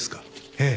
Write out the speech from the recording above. ええ。